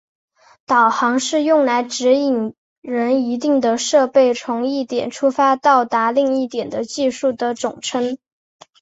导航是用来指引人一定的设备从一点出发到达另一点的技术的总称。